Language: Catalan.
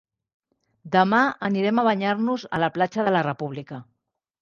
Demà anirem a banyar-nos a la platja de la República.